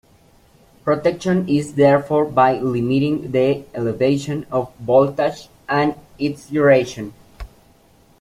Protection is therefore by limiting the elevation of voltage and its duration.